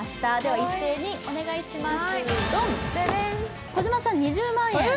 一斉にお願いします。